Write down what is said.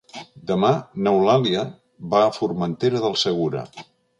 Demà n'Eulàlia va a Formentera del Segura.